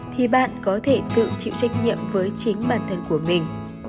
thì bạn có thể tự chịu trách nhiệm với chính bản thân của mình